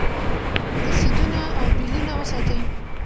رسیدونه او بیلونه وساتئ.